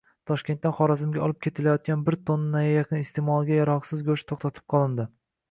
Toshkentdan Xorazmga olib ketilayotganbirtonnaga yaqin iste’molga yaroqsiz go‘sht to‘xtatib qolindi